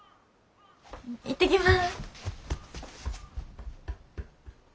行ってきます。